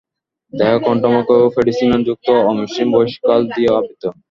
দেহ কণ্টকময় ও পেডিসিলারিযুক্ত অমসৃণ বহিঃকঙ্কাল দিয়ে আবৃত।